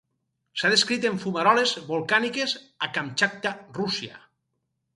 S'ha descrit en fumaroles volcàniques a Kamtxatka, Rússia.